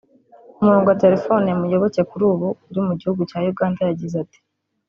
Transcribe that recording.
Ku murongo wa telefoni Muyoboke kuri ubu uri mu gihugu cya Uganda yagize ati